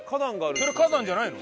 それ花壇じゃないの？